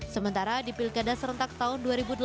sementara di pilkada serentak tahun dua ribu delapan belas